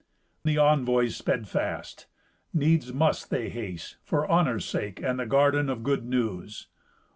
The envoys sped fast; needs must they haste, for honour's sake and the guerdon of good news.